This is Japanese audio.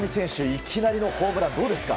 いきなりのホームランどうですか？